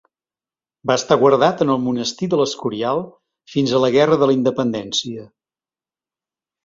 Va estar guardat en el monestir de l'Escorial fins a la Guerra de la Independència.